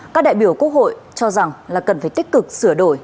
các đại biểu quốc hội cho rằng là cần phải tích cực sửa đổi